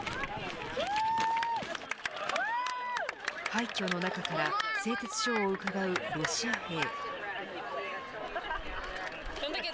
廃虚の中から製鉄所をうかがうロシア兵。